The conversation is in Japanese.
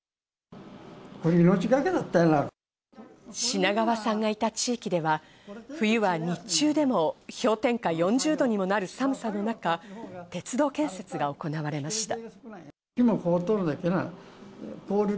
品川さんがいた地域では、冬は日中でも氷点下４０度にもなる寒さの中、鉄道建設が行われました。